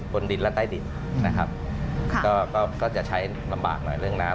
บนดินและใต้ดินนะครับก็จะใช้ลำบากหน่อยเรื่องน้ำ